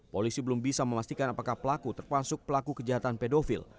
polisi belum bisa memastikan apakah pelaku terpaksa pelaku kejahatan pedofil